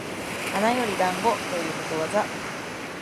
花より団子ということわざ